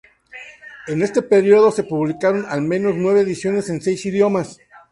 En este periodo se publicaron al menos nueve ediciones en seis idiomas.